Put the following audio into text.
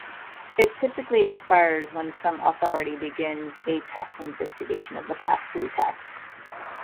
It typically expires when some authority begins a tax investigation of the past-due tax.